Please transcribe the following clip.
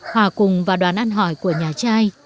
hòa cùng vào đoàn ăn hỏi của nhà chai